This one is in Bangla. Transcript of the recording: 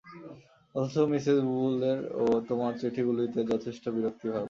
অথচ মিসেস বুলের ও তোমার চিঠিগুলিতে যথেষ্ট বিরক্তিভাব।